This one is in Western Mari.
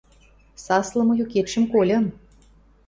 – Саслымы юкетшӹм кольым.